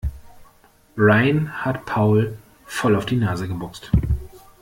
Rayen hat Paul voll auf die Nase geboxt.